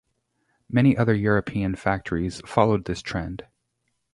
Many other European factories followed this trend.